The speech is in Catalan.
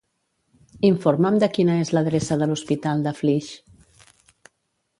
Informa'm de quina és l'adreça de l'hospital de Flix.